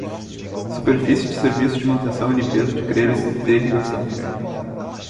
Superfície de serviço de manutenção e limpeza de grelhas de irrigação.